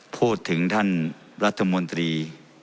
พูดถึงท่านรัฐมนตรี